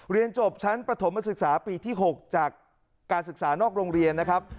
เรียนจบชั้นประถมศึกษาปีที่๖จากการศึกษานอกโรงเรียนนะครับ